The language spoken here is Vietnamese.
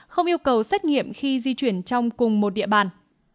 không yêu cầu xét nghiệm khi di chuyển trong cùng một địa bàn